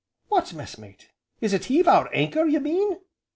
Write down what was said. "What messmate, is it heave our anchor, you mean?"